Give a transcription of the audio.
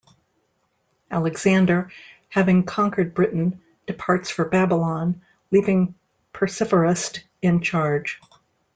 Alexander, having conquered Britain, departs for Babylon, leaving Perceforest in charge.